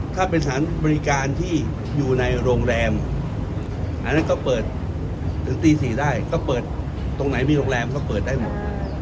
ถ้าเป็นสารบริการที่อยู่ในโรงแรมถึงตี๔ได้ตรงไหนมีโรงแรมก็เปิดได้หมด